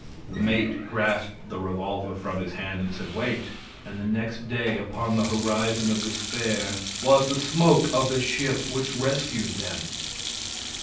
The mate grasped the revolver from his hand, and said, "Wait;" and the next day upon the horizon of despair was the smoke of the ship which rescued them.